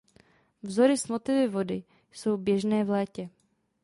Vzory s motivy vody jsou běžné v létě.